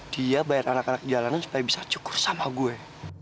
dia bayar anak anak jalanan supaya bisa cukup sama gue